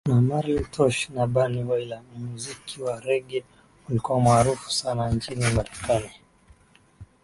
na Marley Tosh na Bunny Wailer Muziki wa Rege ulikuwa maarufu sana nchini Marekani